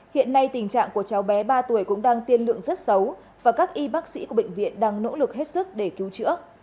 hiện nay tình trạng của cháu bé ba tuổi cũng đang tiên lượng rất xấu và các y bác sĩ của bệnh viện đang nỗ lực hết sức để cứu chữa